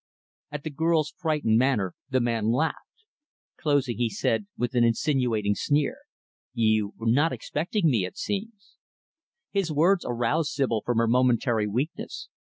At the girl's frightened manner, the man laughed. Closing the door, he said, with an insinuating sneer, "You were not expecting me, it seems." His words aroused Sibyl from her momentary weakness.